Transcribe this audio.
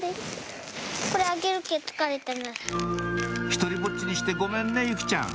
「独りぼっちにしてごめんね由季ちゃん」